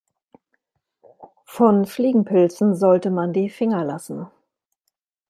Von Fliegenpilzen sollte man die Finger lassen.